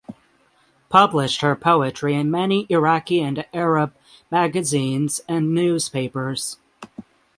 Published her poetry in many Iraqi and Arab magazines and newspapers.